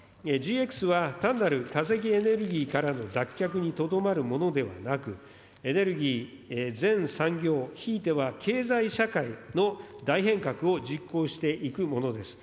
ＧＸは単なる化石エネルギーからの脱却にとどまるものではなく、エネルギー、全産業、ひいては経済社会の大変革を実行していくものです。